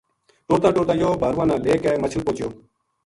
ٹُرتاں ٹُرتاں یوہ بھارواں نا لے کے مچھل پوہچھیو۔